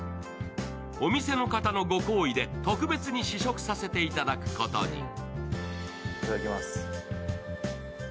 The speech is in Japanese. お店の方のご厚意で特別に試食させていただくことに。